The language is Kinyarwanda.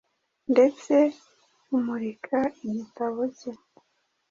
ndetse umurika igitabo cye.